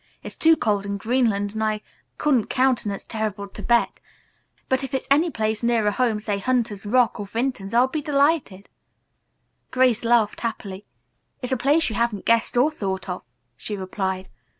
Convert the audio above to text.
It's too cold in Greenland and I couldn't countenance terrible Thibet, but if it's any place nearer home, say Hunter's Rock or Vinton's, I'll be delighted." Grace laughed happily. "It's a place you haven't guessed or thought of," she replied.